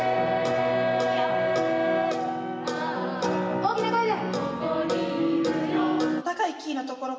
大きな声で！